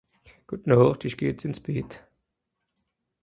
Gutnacht isch geh jetzt ins Bett